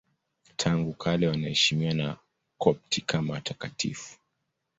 Tangu kale wanaheshimiwa na Wakopti kama watakatifu.